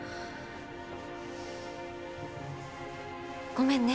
ごめんね。